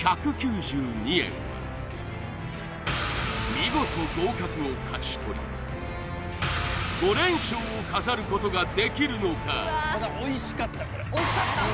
見事合格を勝ち取り５連勝を飾ることができるのか？